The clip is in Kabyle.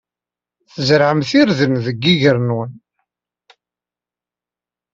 Tzerɛemt irden deg yiger-nwent.